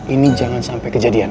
ini jangan sampai kejadian